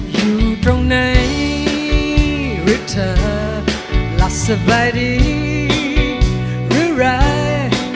อยู่ตรงไหนหรือเธอรักสบายดีหรือร้าย